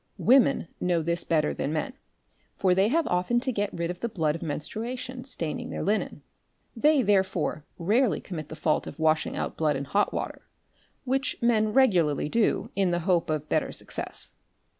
Women know this better than men, for they have often to get rid of the blood of menstruation staining their linen; they therefore rarely commit the fault of washing out blood in hot water®", which men regularly do in the hope of better success.